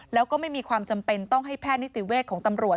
แล้วก็ไม่มีความจำเป็นต้องให้แพทย์นิติเวทย์ของตำรวจ